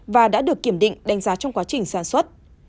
và đã được kiểm định đánh giá trong quá trình sản xuất